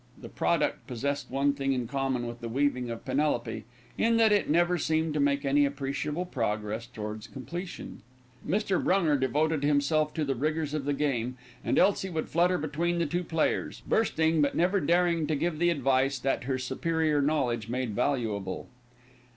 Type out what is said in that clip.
The product possessed one thing in common with the weaving of Penelope, in that it never seemed to make any appreciable progress towards completion. Mr. Brunger devoted himself to the rigours of the game, and Elsie would flutter between the two players, bursting, but never daring, to give the advice that her superior knowledge made valuable.